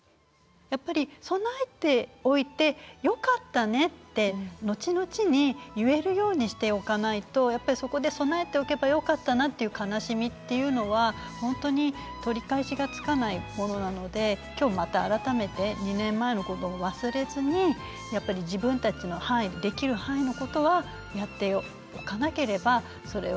やっぱり備えておいてよかったねって後々に言えるようにしておかないとやっぱりそこで備えておけばよかったなっていう悲しみっていうのは本当に取り返しがつかないものなので今日また改めて２年前のことを忘れずにやっぱり自分たちの範囲できる範囲のことはやっておかなければそれはもういけないのかなって。